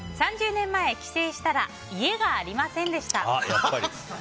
３０年前、帰省したら家がありませんでした。